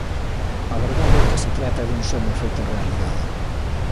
A verdade é que se trata dun soño feito realidade.